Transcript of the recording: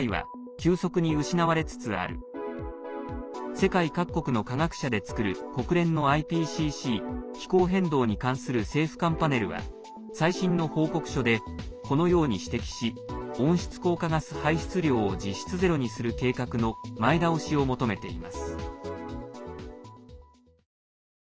世界各国の科学者で作る国連のＩＰＣＣ＝気候変動に関する政府間パネルは最新の報告書でこのように指摘し温室効果ガス排出量を実質ゼロにする計画の前倒しを求めています。